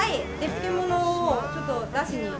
漬け物をちょっと出しに。